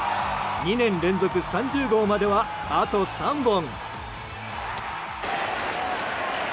２年連続３０号まではあと３本。